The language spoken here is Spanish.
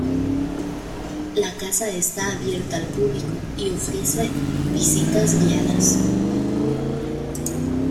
La casa está abierta al público y ofrece visitas guiadas.